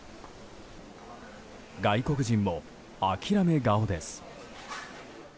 外国人も諦め顔です。